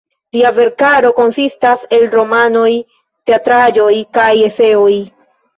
Lia verkaro konsistas el romanoj, teatraĵoj kaj eseoj.